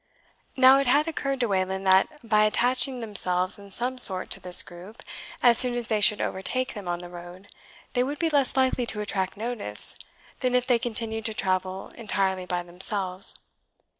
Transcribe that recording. Now it had occurred to Wayland that, by attaching themselves in some sort to this group as soon as they should overtake them on the road, they would be less likely to attract notice than if they continued to travel entirely by themselves.